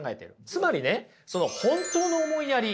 つまりね本当の思いやり